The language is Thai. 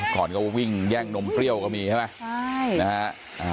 ก่อนก็วิ่งแย่งนมเปรี้ยวก็มีใช่ไหมใช่นะฮะ